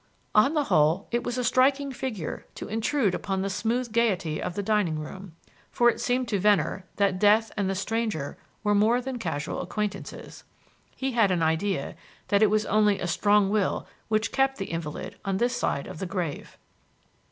On the whole, it was a striking figure to intrude upon the smooth gaiety of the dining room, for it seemed to Venner that death and the stranger were more than casual acquaintances. He had an idea that it was only a strong will which kept the invalid on this side of the grave.